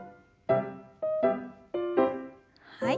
はい。